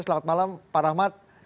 selamat malam pak rahmat